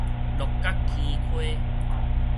鹿角坑溪